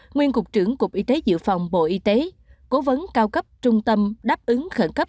nguyên cục trưởng cục y tế dự phòng bộ y tế cố vấn cao cấp trung tâm đáp ứng khẩn cấp